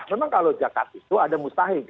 memang kalau zakat itu ada mustahil